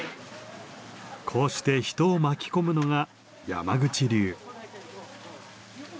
こうして人を巻き込むのが山口流。